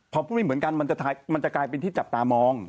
พอพูดไม่เหมือนกันมันจะกลายเป็นที่จับตามอง